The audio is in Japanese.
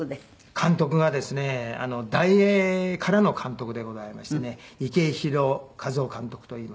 監督がですね大映からの監督でございましてね池広一夫監督といいまして。